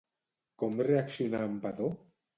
Com reaccionà en Vadó?